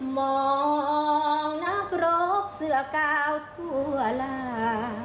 มองนาบโรคเสื้อก้าวถั่วหลา